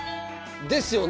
ですよね。